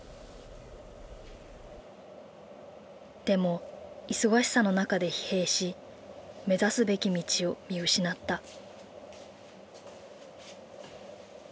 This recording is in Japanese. でも忙しさの中で疲弊し目指すべき道を見失った。